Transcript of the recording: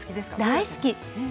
大好き。